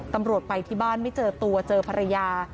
ตำรวจไปที่บ้านไม่เจอตัวเจอภรรยา